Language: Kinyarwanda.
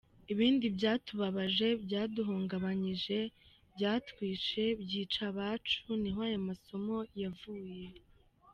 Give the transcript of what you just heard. Ibindi byatubabaje, byaduhungabanyije, byatwishe, byica abacu niho ayo masomo yavuye.